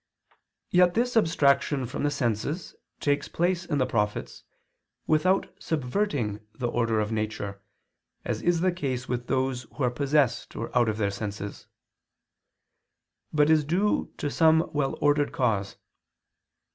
Yet this abstraction from the senses takes place in the prophets without subverting the order of nature, as is the case with those who are possessed or out of their senses; but is due to some well ordered cause.